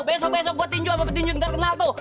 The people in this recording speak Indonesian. besok besok gue tinju sama petinju yang terkenal tuh